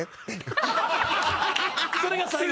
それが最後？